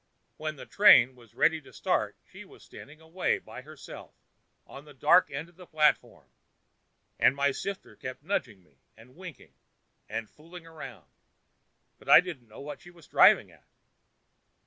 When the train was ready to start she was standing away by herself on the dark end of the platform, and my sister kept nudging me and winking, and fooling about, but I didn't know what she was driving at.